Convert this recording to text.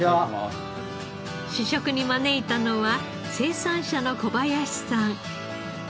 試食に招いたのは生産者の小林さん。